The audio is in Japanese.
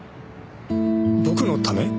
僕のため？